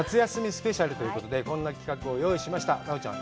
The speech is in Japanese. スペシャルということでこんな企画を用意しました奈緒ちゃん